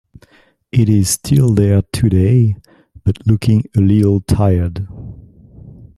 It is still there today, but looking a little tired.